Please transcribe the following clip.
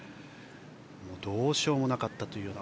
どうしようもなかったというような。